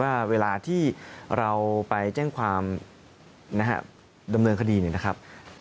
ว่าเวลาที่เราไปแจ้งความนะฮะดำเนินคดีเนี่ยนะครับ